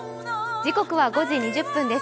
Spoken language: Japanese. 時刻は５時２０分です。